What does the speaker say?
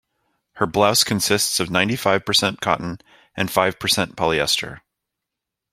Her blouse consists of ninety-five percent cotton and five percent polyester.